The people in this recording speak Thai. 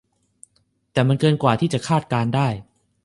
แต่มันเกินกว่าที่จะคาดการณ์ได้